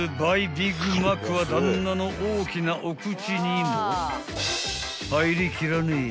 ビッグマックは旦那の大きなお口にも入りきらねえや］